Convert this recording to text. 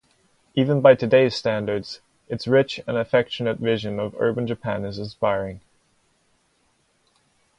Even by today's standards, its rich and affectionate vision of urban Japan is inspiring.